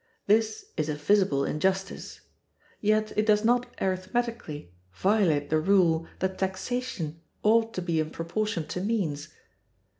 This is a visible injustice; yet it does not arithmetically violate the rule that taxation ought to be in proportion to means.